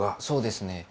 そうですね。